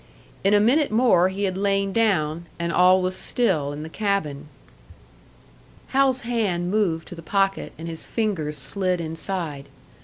In a minute more he had lain down, and all was still in the cabin. Hal's hand moved to the pocket, and his fingers slid inside.